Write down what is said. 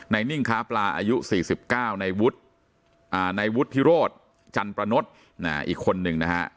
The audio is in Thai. นิ่งค้าปลาอายุ๔๙ในวุฒิโรธจันประนดอีกคนนึงนะฮะ